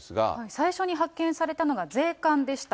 最初に発見されたのが税関でした。